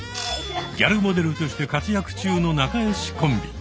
ギャルモデルとして活躍中の仲良しコンビ。